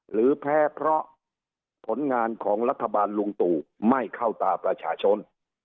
หรือแพ้เพราะผลงานของรัฐบาลลุงตู่ไม่เข้าตาประชาชน